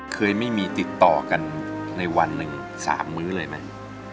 เคยไม่มีติดต่อกันในวันหนึ่ง๓มื้อเลยไหม